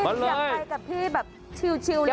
อยากไปกับพี่แบบชิลลมเย็น